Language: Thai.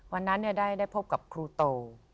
วันนั้นได้พบกับครูโต